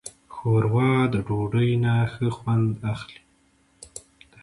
ښوروا د ډوډۍ نه ښه خوند اخلي.